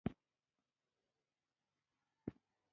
دوی کولای شي د خدای د ارادې خلاف عمل وکړي.